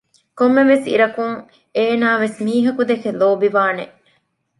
ކޮންމެވެސް އިރަކުން އޭނާވެސް މީހަކު ދެކެ ލޯބިވާނެ